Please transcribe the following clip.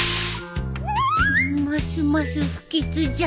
ますます不吉じゃん。